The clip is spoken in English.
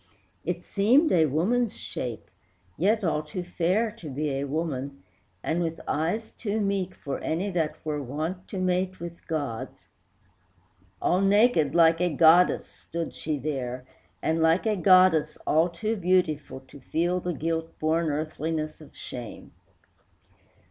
It seemed a woman's shape, yet all too fair To be a woman, and with eyes too meek For any that were wont to mate with gods. All naked like a goddess stood she there, And like a goddess all too beautiful To feel the guilt born earthliness of shame.